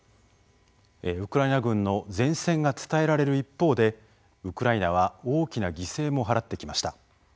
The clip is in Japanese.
ウクライナ軍の善戦が伝えられる一方でウクライナは大きな犠牲も払ってきました。